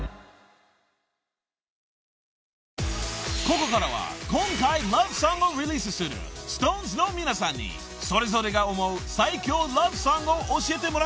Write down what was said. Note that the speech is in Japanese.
［ここからは今回ラブソングをリリースするＳｉｘＴＯＮＥＳの皆さんにそれぞれが思う最強ラブソングを教えてもらいました］